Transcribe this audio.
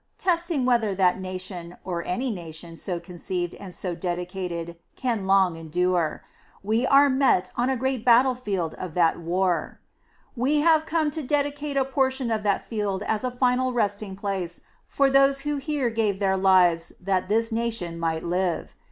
. .testing whether that nation, or any nation so conceived and so dedicated. .. can long endure. We are met on a great battlefield of that war. We have come to dedicate a portion of that field as a final resting place for those who here gave their lives that this nation might live.